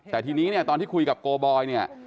แต่ทีนี้ตอนที่คุยกับโกซ์บอย